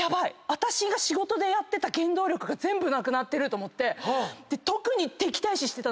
私が仕事でやってた原動力が全部なくなってると思って。